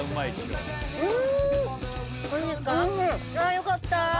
よかった。